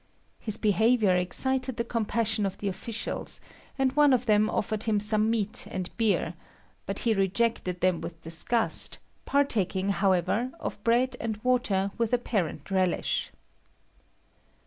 His behaviour excited the compassion of the officials, and one of them offered him some meat and beer; but he rejected them with disgust, partaking, however, of bread and water with apparent relish.